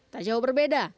tak jauh berbeda